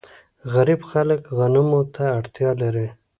غریب خلک غنمو ته اړتیا لري.